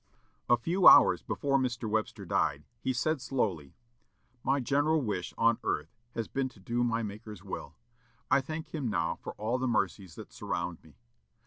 A few hours before Mr. Webster died, he said slowly, "My general wish on earth has been to do my Maker's will. I thank him now for all the mercies that surround me....